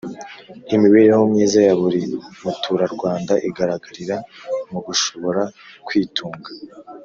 Imibereho myiza ya buri muturarwanda igaragarira mu gushobora kwitunga